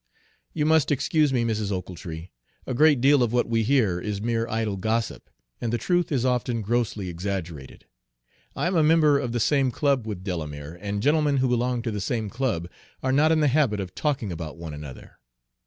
"You must excuse me, Mrs. Ochiltree. A great deal of what we hear is mere idle gossip, and the truth is often grossly exaggerated. I'm a member of the same club with Delamere, and gentlemen who belong to the same club are not in the habit of talking about one another.